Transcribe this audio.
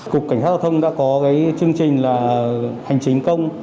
cục cảnh sát giao thông đã có chương trình hành chính công